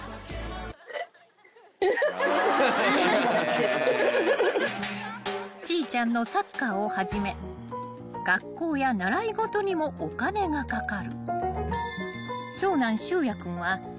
［苺果ちゃんのサッカーをはじめ学校や習い事にもお金がかかる］